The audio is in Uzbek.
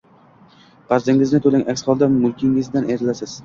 Qarzingizni to‘lang aks holda mulkingizdan ayrilasiz